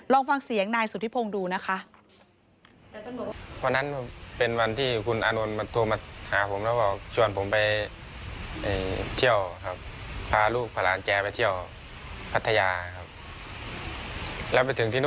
ลองฟังเสียงนายสุธิพงศ์ดูนะคะ